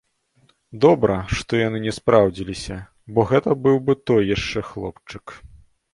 Добра, што яны не спраўдзіліся, бо гэта быў бы той яшчэ хлопчык.